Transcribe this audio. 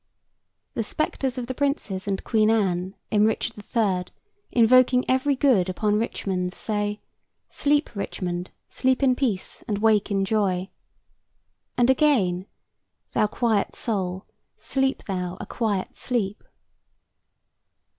The spectres of the princes and Queen Anne, in "Richard III.," invoking every good upon Richmond, say: "Sleep, Richmond, sleep in peace and wake in joy." And again: "Thou quiet soul, sleep thou a quiet sleep."